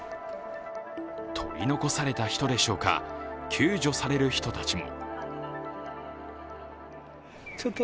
取り残された人でしょうか救助される人たちも。